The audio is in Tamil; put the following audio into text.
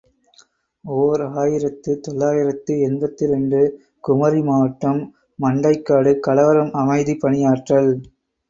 ஓர் ஆயிரத்து தொள்ளாயிரத்து எண்பத்திரண்டு ● குமரி மாவட்டம் மண்டைக்காடு கலவரம் அமைதிப் பணியாற்றல்.